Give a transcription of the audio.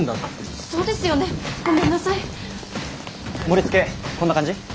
盛りつけこんな感じ？